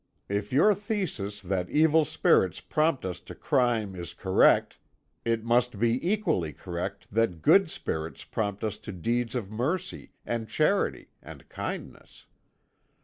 If your thesis that evil spirits prompt us to crime is correct, it must be equally correct that good spirits prompt us to deeds of mercy, and charity, and kindness.